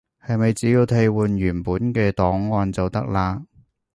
係咪只要替換原本嘅檔案就得喇？